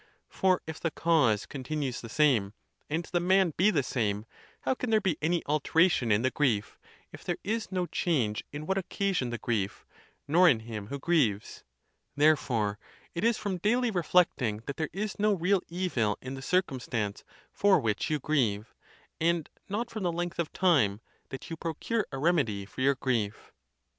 For if the cause continues the same, and the man be the same, how can there be any alteration in the grief, if there is no change in what occasioned the grief, nor in him who grieves? Therefore it is from daily reflecting that there is no real evil in the circumstance for which you grieve, and not from the length of time, that you procure a remedy for your grief.